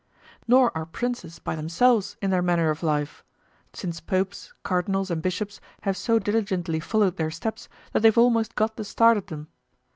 Nor are princes by themselves in their manner of life, since popes, cardinals, and bishops have so diligently followed their steps that they've almost got the start of them.